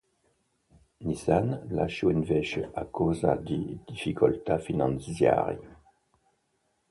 Nissan lasciò invece a causa di difficoltà finanziarie.